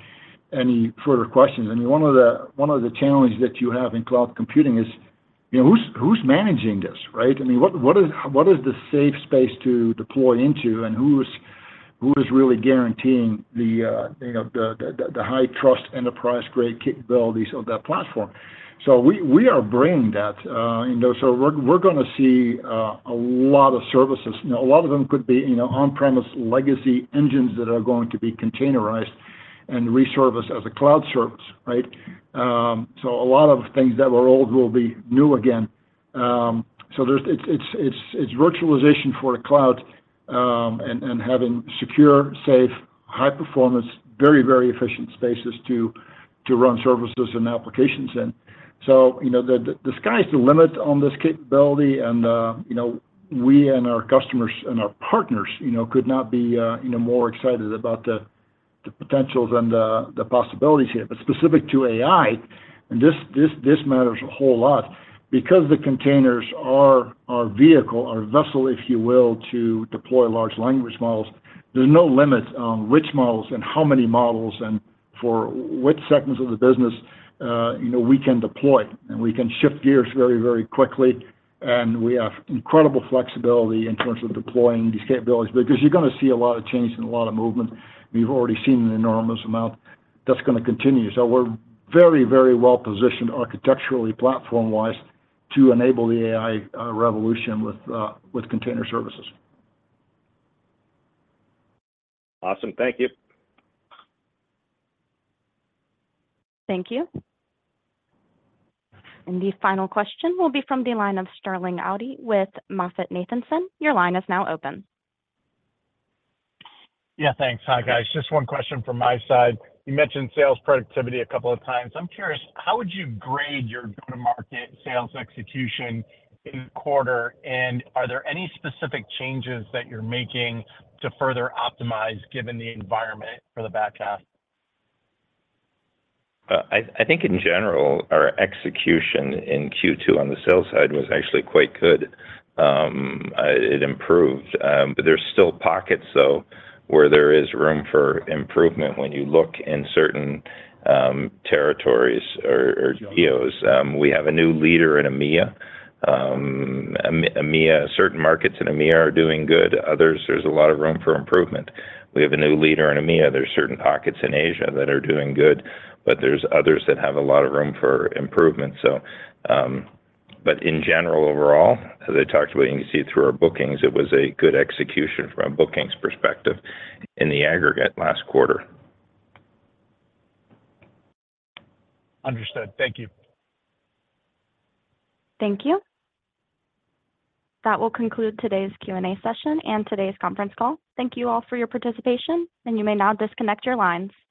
any further questions. I mean, one of the, one of the challenges that you have in cloud computing is, you know, who's, who's managing this, right? I mean, what, what is, what is the safe space to deploy into, and who's, who is really guaranteeing the, you know, the, the, the high trust, enterprise-grade capabilities of that platform? We, we are bringing that, you know, we're, we're gonna see a lot of services. You know, a lot of them could be, you know, on-premise legacy engines that are going to be containerized and re-serviced as a cloud service, right? A lot of things that were old will be new again. There's it's, it's, it's, it's virtualization for the cloud, and, and having secure, safe, high performance, very, very efficient spaces to, to run services and applications in. You know, the, the, the sky's the limit on this capability, and, you know, we and our customers and our partners, you know, could not be, you know, more excited about the, the potentials and the, the possibilities here. Specific to AI, and this, this, this matters a whole lot, because the containers are our vehicle, our vessel, if you will, to deploy large language models, there's no limits on which models and how many models, and for which segments of the business, you know, we can deploy. We can shift gears very, very quickly, and we have incredible flexibility in terms of deploying these capabilities, because you're gonna see a lot of change and a lot of movement. We've already seen an enormous amount. That's gonna continue. We're very, very well-positioned architecturally, platform-wise, to enable the AI revolution with container services. Awesome. Thank you. Thank you. The final question will be from the line of Sterling Auty with MoffettNathanson. Your line is now open. Yeah, thanks. Hi, guys. Just one question from my side. You mentioned sales productivity a couple of times. I'm curious, how would you grade your go-to-market sales execution in the quarter? Are there any specific changes that you're making to further optimize, given the environment for the back half? I think in general, our execution in Q2 on the sales side was actually quite good. It improved, but there's still pockets, though, where there is room for improvement when you look in certain territories or geos. We have a new leader in EMEA. EMEA, certain markets in EMEA are doing good. Others, there's a lot of room for improvement. We have a new leader in EMEA. There's certain pockets in Asia that are doing good, but there's others that have a lot of room for improvement, so. In general, overall, as I talked about, you can see it through our bookings, it was a good execution from a bookings perspective in the aggregate last quarter. Understood. Thank you. Thank you. That will conclude today's Q&A session and today's conference call. Thank you all for your participation, and you may now disconnect your lines.